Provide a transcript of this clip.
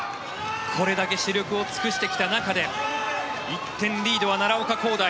これだけ死力を尽くしてきた中で１点リードは奈良岡功大。